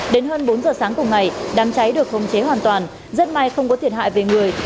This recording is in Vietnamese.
đến hơn bốn giờ sáng cùng ngày đám cháy được khống chế hoàn toàn rất may không có thiệt hại về người